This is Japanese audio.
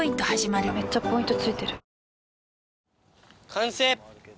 完成！